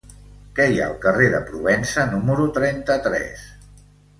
Què hi ha al carrer de Provença número trenta-tres?